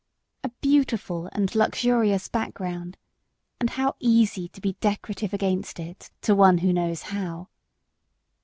A beautiful and luxurious background and how easy to be decorative against it to one who knows how!